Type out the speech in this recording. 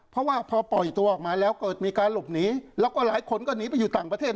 เพราะว่าพอปล่อยตัวออกมาแล้วเกิดมีการหลบหนีแล้วก็หลายคนก็หนีไปอยู่ต่างประเทศ